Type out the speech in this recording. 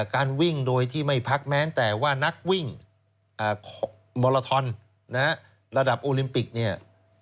การวิ่งโดยที่ไม่พักแม้แต่ว่านักวิ่งมอลาทอนระดับโอลิมปิกเนี่ย